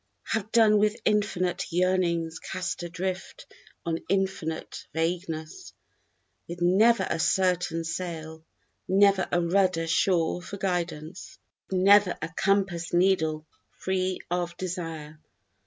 Have done with infinite yearnings cast adrift on infinite vagueness With never a certain sail, never a rudder sure for guidance, With never a compass needle free of desire.